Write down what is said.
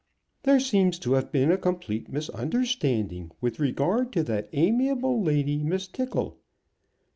"'There seems to have been a complete misunderstanding with regard to that amiable lady, Miss Tickle.'